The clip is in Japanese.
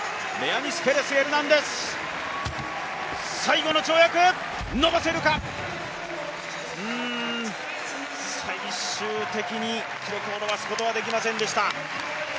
最後の跳躍、最終的に記録を伸ばすことはできませんでした。